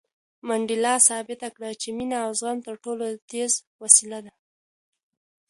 منډېلا ثابته کړه چې مینه او زغم تر ټولو تېزه وسله ده.